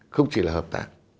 không chỉ là hợp tác